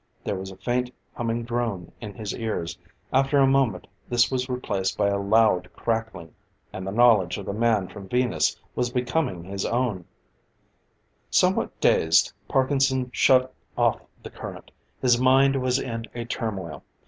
There was a faint, humming drone in his ears; after a moment this was replaced by a loud crackling and the knowledge of the man from Venus was becoming his own. Somewhat dazed, Parkinson shut off the current. His mind was in a turmoil.